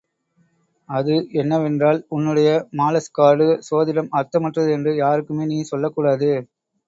அது என்னவென்றால், உன்னுடைய மாலஸ்கார்டு சோதிடம் அர்த்தமற்றது என்று யாருக்குமே நீ சொல்லக்கூடாது.